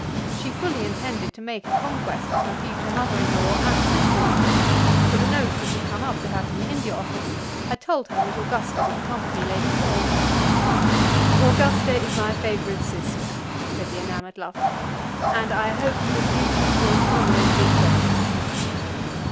She fully intended to make a conquest of her future mother in law and sister in law; for the note which had come up to her from the India Office had told her that Augusta would accompany Lady Fawn. "Augusta is my favourite sister," said the enamoured lover, "and I hope that you two will always be friends."